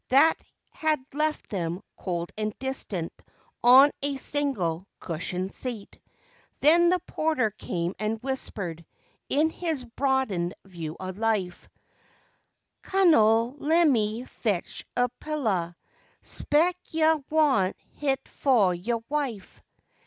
That had left them, cold and distant on a single cushioned seat. ^ y y y y y //////// Then the porter came and whispered his broadened view of life— "Cunnel, lemme fetch e^pilluh. Spec yuh want hit fo* yo* wife."